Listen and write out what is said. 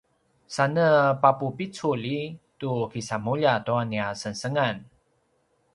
sane papupiculi tu kisamulja tua nia sengsengan